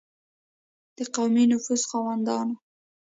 د قومي نفوذ خاوندانو.